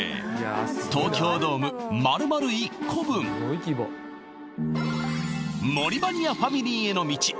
東京ドーム丸々１個分モリバニアファミリーへの道